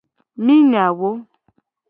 Mi nya wo.